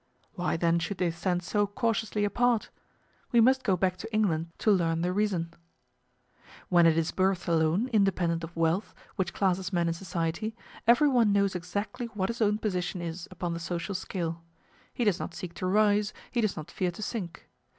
Why then should they stand so cautiously apart? We must go back to England to learn the reason. When it is birth alone, independent of wealth, which classes men in society, everyone knows exactly what his own position is upon the social scale; he does not seek to rise, he does not fear to sink.